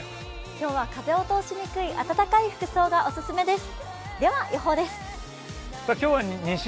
今日は風を通しにくい暖かい服装がお勧めです。